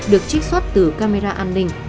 được trích xuất từ camera an ninh